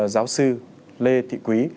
giáo sư lê thị quý